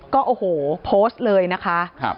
ก็โอ้โหโพสต์เลยนะคะ